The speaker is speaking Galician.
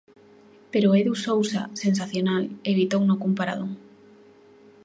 Pero Edu Sousa, sensacional, evitouno cun paradón.